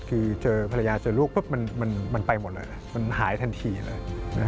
คือเจอภรรยาเจอลูกปุ๊บมันไปหมดเลยมันหายทันทีเลย